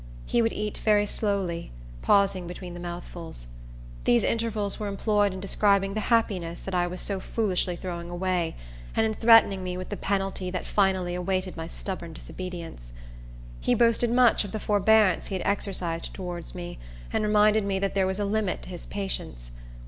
He would eat very slowly, pausing between the mouthfuls. These intervals were employed in describing the happiness I was so foolishly throwing away, and in threatening me with the penalty that finally awaited my stubborn disobedience. He boasted much of the forbearance he had exercised towards me, and reminded me that there was a limit to his patience.